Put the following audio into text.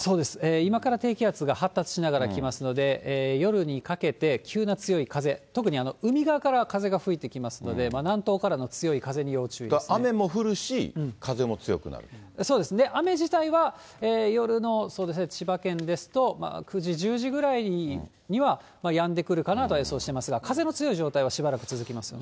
今から低気圧が発達しながら来ますので、夜にかけて急な強い風、特に海側から風が吹いてきますので、雨も降るし、そうですね、雨自体は夜の、千葉県ですと９時、１０時ぐらいには、やんでくるかなとは予想してますが、風の強い状態はしばらく続きますね。